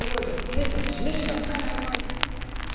生徒に示しがつかないって。